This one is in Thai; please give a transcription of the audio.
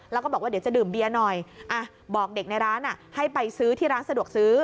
แล้วก็บอกว่าเดี๋ยวจะดื่มเบียร์หน่อยบอกเด็กในร้านให้ไปซื้อที่ร้านสะดวกซื้อ